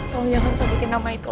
tolong jangan seperti ini